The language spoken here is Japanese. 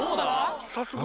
早速。